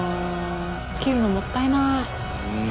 切るのもったいない。